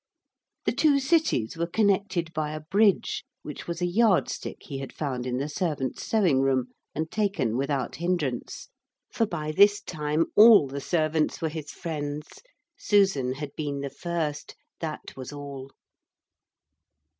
The two cities were connected by a bridge which was a yard stick he had found in the servants' sewing room and taken without hindrance, for by this time all the servants were his friends. Susan had been the first that was all.